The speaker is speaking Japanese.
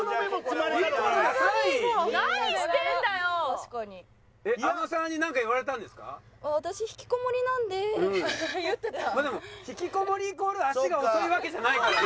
まあでもひきこもりイコール足が遅いわけじゃないからね。